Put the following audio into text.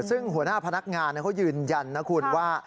ซึ่งหัวหน้าพนักงานเขายืนยันนะคุณว่า